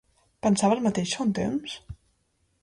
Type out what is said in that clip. Pensava el mateix fa un temps?